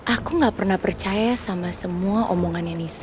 aku gak pernah percaya sama semua omongannya nisa